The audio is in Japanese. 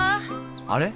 あれ？